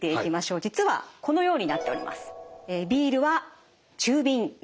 実はこのようになっております。